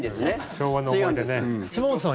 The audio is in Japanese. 昭和の思い出ね。